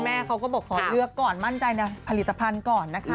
แม่เขาก็บอกขอเลือกก่อนมั่นใจในผลิตภัณฑ์ก่อนนะคะ